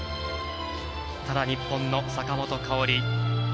ただ、日本の坂本花織。